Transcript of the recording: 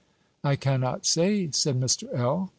"I cannot say," said Mr. L.